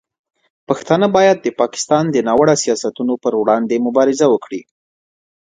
پښتانه باید د پاکستان د ناوړه سیاستونو پر وړاندې مبارزه وکړي.